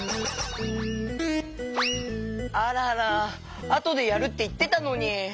あららあとでやるっていってたのに。